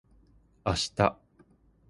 明日